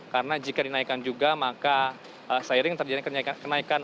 karena jika dinaikan juga maka seiring terjadi kenaikan